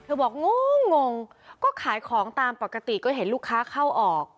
บอกงงก็ขายของตามปกติก็เห็นลูกค้าเข้าออก